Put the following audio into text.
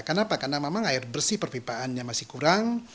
kenapa karena memang air bersih perpipaannya masih kurang